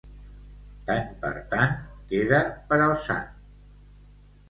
Tant per tant, queda per al sant.